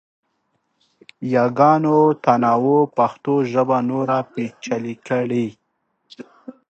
یاګانو تنوع پښتو ژبه نوره پیچلې کړې.